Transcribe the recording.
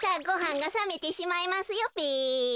ごはんがさめてしまいますよべ。